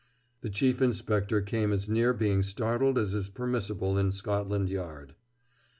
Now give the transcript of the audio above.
The Chief Inspector came as near being startled as is permissible in Scotland Yard.